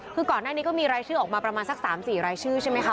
คือก่อนหน้านี้ก็มีรายชื่อออกมาประมาณสัก๓๔รายชื่อใช่ไหมคะ